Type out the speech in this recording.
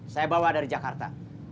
saya bawa dari jakarta